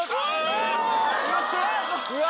うわ！